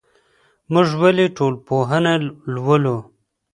موږ ولي ټولنپوهنه لولو؟